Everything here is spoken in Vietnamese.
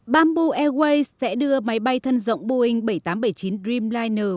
bamboo airways sẽ đưa máy bay thân rộng boeing bảy trăm tám mươi bảy chín dreamliner